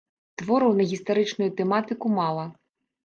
Твораў на гістарычную тэматыку мала.